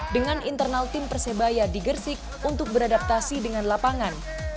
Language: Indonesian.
dengan internal tim persebaya di gersik untuk beradaptasi dengan lapangan